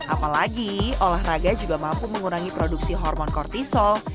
apalagi olahraga juga mampu mengurangi produksi hormon kortisol